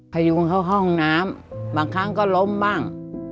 พยุงเข้าห้องน้ำบางครั้งก็ล้มบ้าง